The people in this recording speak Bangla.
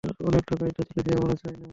অনেক টাকাই তো তুলেছি আমরা, তাই না?